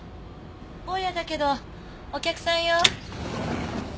大家だけどお客さんよ。